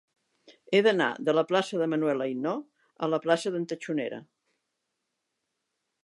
He d'anar de la plaça de Manuel Ainaud a la plaça d'en Taxonera.